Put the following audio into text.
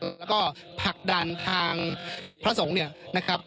และก็ผักดันทางพระสงฆ์